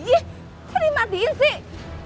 ih seri matiin sih